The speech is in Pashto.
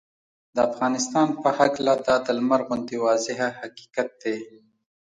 د افغانستان په هکله دا د لمر غوندې واضحه حقیقت دی